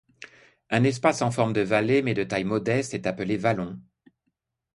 Un espace en forme de vallée mais de taille modeste est appelé vallon.